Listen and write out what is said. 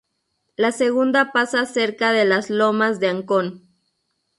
La segunda pasa cerca de las Lomas de Ancón.